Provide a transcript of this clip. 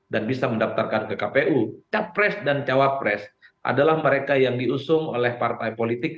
dan bisa mendaftarkan ke kpu capres dan cawapres adalah mereka yang diusung oleh partai politik